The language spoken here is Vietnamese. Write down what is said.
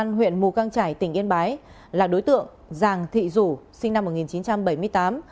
công an huyện mù căng trải tỉnh yên bái là đối tượng giàng thị rủ sinh năm một nghìn chín trăm bảy mươi tám